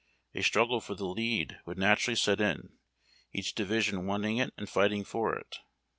A struggle for the lead would naturally set in, each division wanting it and fighting for it.